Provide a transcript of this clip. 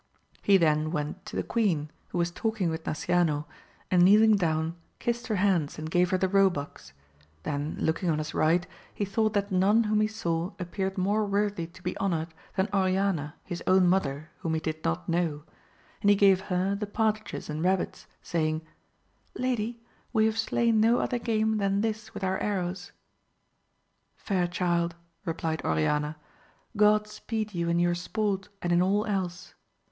He then went to the queen, who was talking with Napciano, and kneeling down kissed her hands and gave her the roe bucks ; then looking on his right he thought that none whom he saw appeared more worthy to be honoured than Oriana his own mother whom he did not know, and he gave her the partridges and rabbits, saying, Lady we have slain no other game than this with our arrows. Fair child, replied Oriana, God speed you in your sport and in all else.